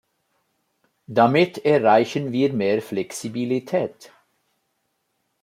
Damit erreichen wir mehr Flexibilität.